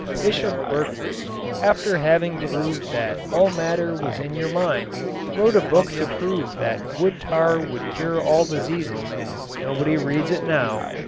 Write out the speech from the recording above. Bishop Berkeley, after having proved that all matter was in your mind, wrote a book to prove that wood tar would cure all diseases. Nobody reads it now.